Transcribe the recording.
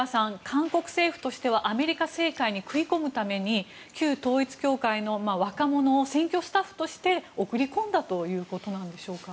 韓国政府としてはアメリカ政界に食い込むために旧統一教会の若者を選挙スタッフとして送り込んだということなんでしょうか。